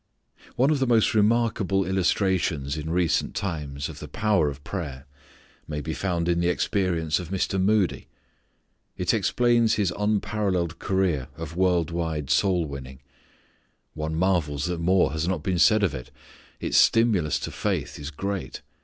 One of the most remarkable illustrations in recent times of the power of prayer, may be found in the experience of Mr. Moody. It explains his unparalleled career of world wide soul winning. One marvels that more has not been said of it. Its stimulus to faith is great.